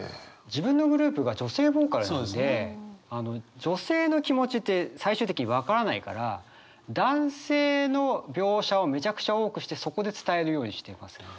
自分のグループが女性ボーカルなんで女性の気持ちって最終的に分からないから男性の描写をめちゃくちゃ多くしてそこで伝えるようにしてますね。